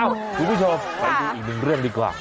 คุณผู้ชมไปดูอีกหนึ่งเรื่องดีกว่า